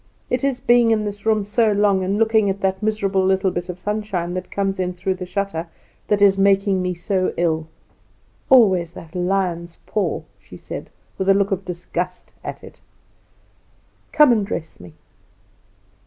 It is being in this room so long, and looking at that miserable little bit of sunshine that comes in through the shutter, that is making me so ill. Always that lion's paw!" she said, with a look of disgust at it. "Come and dress me."